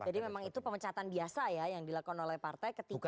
jadi memang itu pemecatan biasa ya yang dilakukan oleh partai ketika